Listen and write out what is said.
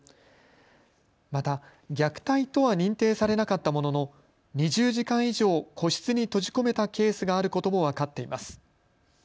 また虐待とは認定されなかったものの２０時間以上、個室に閉じ込めたケースがあることも分かっています。